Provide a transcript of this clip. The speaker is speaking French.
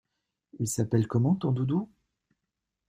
Il s'appelle comment ton doudou?